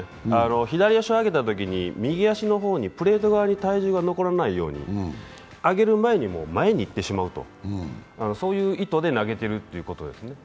左足を上げたときに右足の方にプレート側に体重が残らないように上げる前に前にいってしまうという意図で投げているということですね。